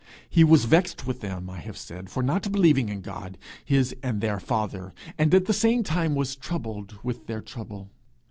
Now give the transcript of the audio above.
He was vexed with them, I have said, for not believing in God, his and their father; and at the same time was troubled with their trouble.